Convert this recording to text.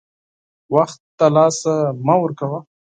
وخت دلاسه مه ورکوه !